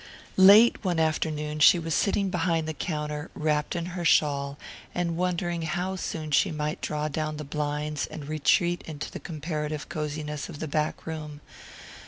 Late one afternoon she was sitting behind the counter, wrapped in her shawl, and wondering how soon she might draw down the blinds and retreat into the comparative cosiness of the back room.